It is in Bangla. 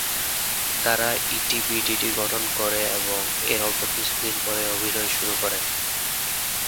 তারা ইটি বিডিডি গঠন করে এবং এর অল্প কিছুদিন পরেই অভিনয় শুরু করে।